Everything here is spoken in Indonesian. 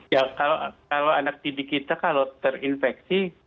ya kalau anak didik kita kalau terinfeksi